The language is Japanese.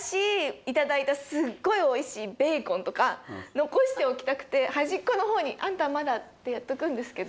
すっごいおいしい。とか残しておきたくて端っこの方にあんたはまだってやっとくんですけど